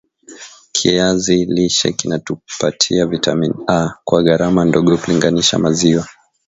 kiazi lishe kinatupatia vitamini A kwa gharama ndogo kulinganisha maziwa